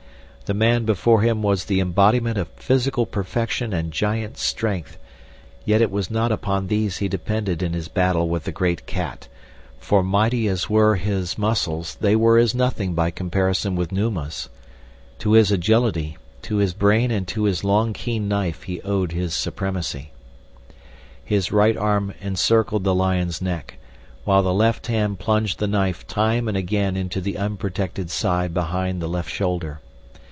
The man before him was the embodiment of physical perfection and giant strength; yet it was not upon these he depended in his battle with the great cat, for mighty as were his muscles, they were as nothing by comparison with Numa's. To his agility, to his brain and to his long keen knife he owed his supremacy. His right arm encircled the lion's neck, while the left hand plunged the knife time and again into the unprotected side behind the left shoulder.